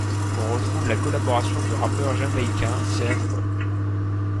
On retrouve la collaboration du rappeur jamaïcain Sean Paul.